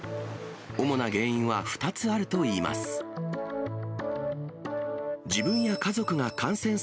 主な原因は２つあるといいます。